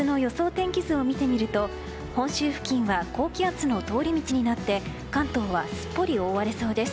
天気図を見てみると本州付近は高気圧の通り道になって関東はすっぽり覆われそうです。